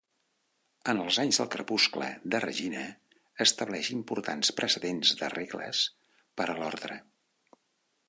En els anys del crepuscle de Regina, estableix importants precedents de regles per a l'Ordre.